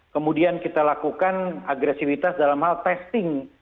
kemudian kita lakukan agresivitas dalam hal testing